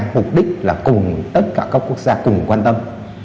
mục đích là cùng tất cả các quốc gia cùng quan tâm